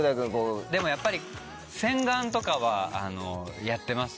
でもやっぱり洗顔とかはやってますよ。